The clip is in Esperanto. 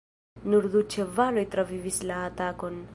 Nur du ĉevaloj travivis la atakon.